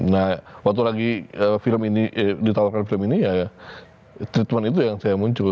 nah waktu lagi film ini ditawarkan film ini ya treatment itu yang saya muncul